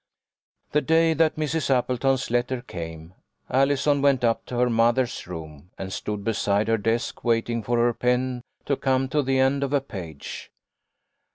The day that Mrs. Appleton's letter came, Allison went up to her mother's room and stood beside her desk waiting for her pen to come to the end of a page.